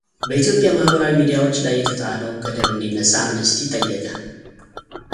በኢትዮጵያ ማኅበራዊ ሚዲያዎች ላይ የተጣለው ገደብ እንዲነሳ አምነስቲ ጠየቀ